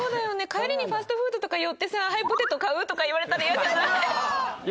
帰りにファストフードとか寄ってさ「はいポテト買う？」とか言われたらイヤじゃない？